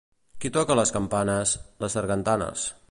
—Qui toca les campanes? —Les sargantanes.